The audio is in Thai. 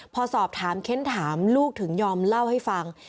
พอสอบถามเค้นถามลูกถึงยอมเล่าให้ฟัง